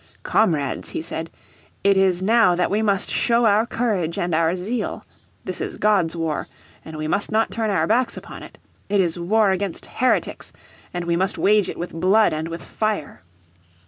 "Comrades," he said, "it is now that we must show our courage and our zeal. This is God's war, and we must not turn our backs upon it. It is war against heretics, and we must wage it with blood and with fire."